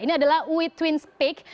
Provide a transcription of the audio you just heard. ini adalah wee twins peak